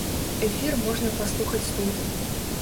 Эфір можна паслухаць тут.